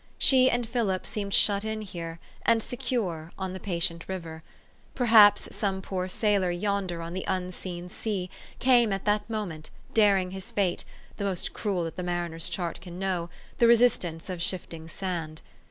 She and Philip seemed shut in here, and secure, on the patient river. Perhaps some poor sailor yonder on the unseen sea came at that moment, daring his fate, the most cruel that the mariner's chart can know, the resistance of shifting sand.